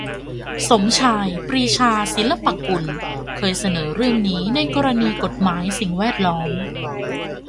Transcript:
สมชาย ปรีชาศิลปกุล เคยเสนอเรื่องนี้ในกรณีกฎหมายสิ่งแวดล้อม